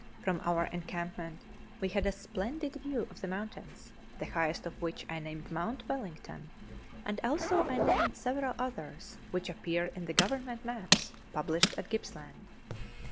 From our encampment we had a splendid view of the mountains, the highest of which I named Mount Wellington, and also I named several others, which appear in the Government maps (published) of Gippsland.